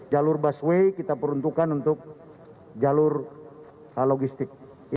jalur busway kita peruntukkan untuk jalur logistik